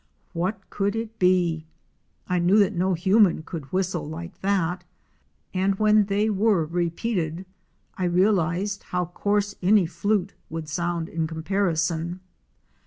What could it be! I knew that no human being could whistle like that, and when they were repeated I realized how coarse any flute would sound in comparison.